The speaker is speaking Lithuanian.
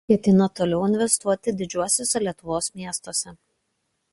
Ketina ir toliau investuoti didžiuosiuose Lietuvos miestuose.